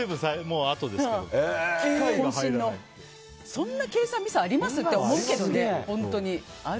そんな計算ミスあります？って思うけど。